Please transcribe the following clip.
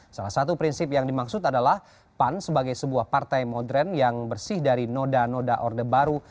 salah satu prinsip yang dimaksud adalah pan sebagai sebuah partai modern yang bersih dari noda noda orde baru